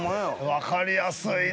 分かりやすいな。